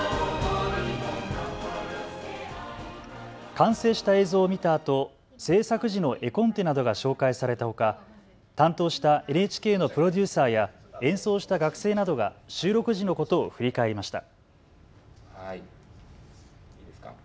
完成した映像を見たあと制作時の絵コンテなどが紹介されたほか担当したＮＨＫのプロデューサーや演奏した学生などが収録時のことを振り返りました。